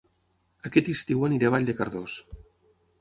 Aquest estiu aniré a Vall de Cardós